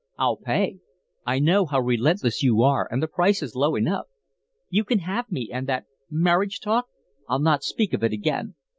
I'll pay. I know how relentless you are, and the price is low enough. You can have me and that marriage talk I'll not speak of again.